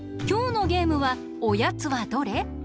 きょうのゲームは「おやつはどれ？」。